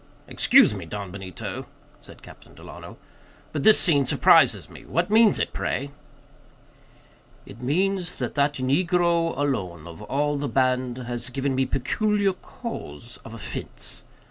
"Excuse me, Don Benito," said Captain Delano, "but this scene surprises me; what means it, pray?" "It means that that negro alone, of all the band, has given me peculiar cause of offense.